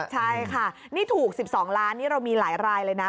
ใช่ค่ะนี่ถูก๑๒ล้านนี่เรามีหลายรายเลยนะ